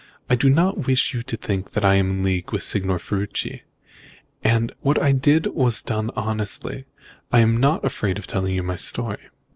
I do not wish you to think that I am in league with Signor Ferruci. What I did was done honestly. I am not afraid of telling my story."